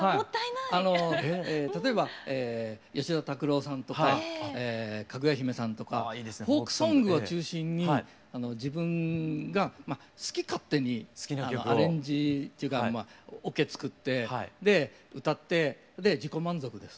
例えば吉田拓郎さんとかかぐや姫さんとかフォークソングを中心に自分が好き勝手にアレンジっていうかオケつくってで歌って自己満足です。